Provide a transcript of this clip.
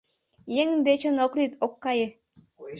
Еҥ дечын ок лӱд, ок кае.